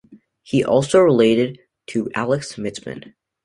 He's also related to Alex Mitzman.